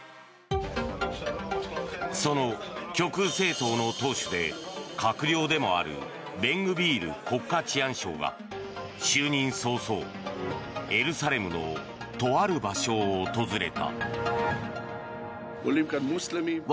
その極右政党の党首で閣僚でもあるベングビール国家治安相は就任早々、エルサレムのとある場所を訪れた。